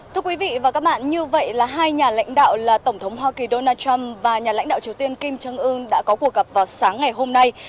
thưa quý vị và các bạn như vậy là hai nhà lãnh đạo là tổng thống hoa kỳ donald trump và nhà lãnh đạo triều tiên kim trương ương đã có cuộc gặp vào sáng ngày hôm nay